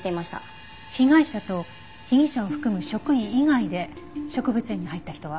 被害者と被疑者を含む職員以外で植物園に入った人は？